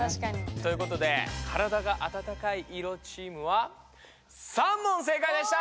ということで体があたたかい色チームは３問正解でした！